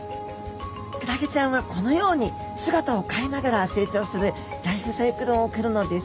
クラゲちゃんはこのように姿を変えながら成長するライフサイクルを送るのです。